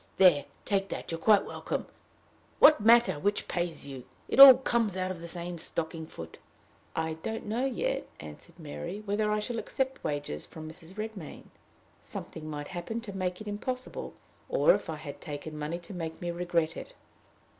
There! take that. You're quite welcome. What matter which pays you? It all comes out of the same stocking foot." "I don't know yet," answered Mary, "whether I shall accept wages from Mrs. Redmain. Something might happen to make it impossible; or, if I had taken money, to make me regret it."